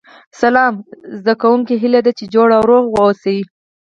سلام زده کوونکو هیله ده چې جوړ او روغ اوسئ